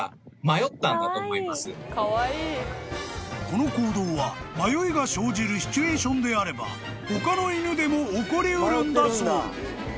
［この行動は迷いが生じるシチュエーションであれば他の犬でも起こり得るんだそう］